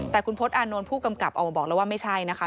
แต่คุณพศอานนท์ผู้กำกับออกมาบอกแล้วว่าไม่ใช่นะคะ